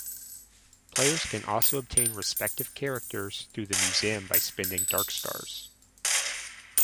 Players can also obtain respective characters through the Museum by spending Dark Stars.